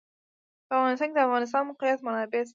په افغانستان کې د د افغانستان د موقعیت منابع شته.